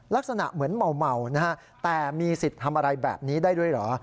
ลักษณะเหมือนเมานะฮะแต่มีสิทธิ์ทำอะไรแบบนี้ได้ด้วยเหรอ